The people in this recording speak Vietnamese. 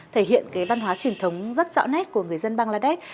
thể hiện cái văn hóa truyền thống rất rõ nét của người dân bangladesh